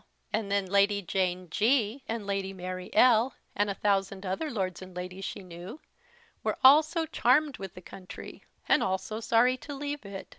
And then Lady Jane G. and Lady Mary L., and a thousand other lords and ladies she knew, were all so charmed with the country, and all so sorry to leave it.